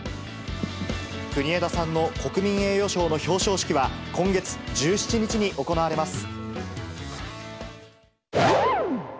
国枝さんの国民栄誉賞の表彰式は今月１７日に行われます。